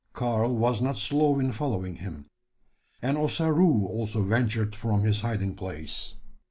Karl was not slow in following him; and Ossaroo also ventured from his hiding place.